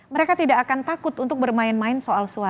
mereka tidak akan takut untuk bermain main soal suara